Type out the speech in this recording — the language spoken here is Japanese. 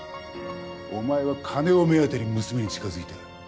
お前は金を目当てに娘に近づいた。